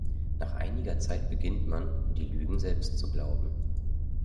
Nach einiger Zeit beginnt man, die Lügen selbst zu glauben.